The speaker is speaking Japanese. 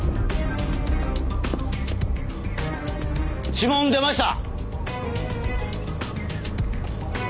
指紋出ました！